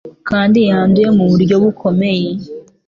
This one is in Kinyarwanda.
kandi yanduye mu buryo bukomeye